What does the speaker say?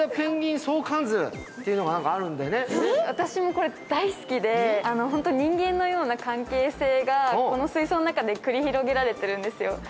私もこれ大好きで人間のような関係性がこの水槽の中で繰り広げられてるんですよ。